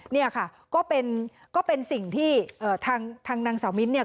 เนี่ยค่ะก็เป็นสิ่งที่ทางนางเสามินทร์เนี่ย